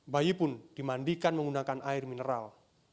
bayi pun dimandikan menggunakan air mineral